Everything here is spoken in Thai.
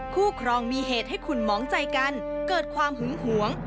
ครองมีเหตุให้คุณหมองใจกันเกิดความหึงหวง